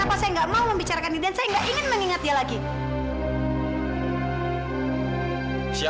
apa benar orang ini penipu tukang main perempuan dan mata duitan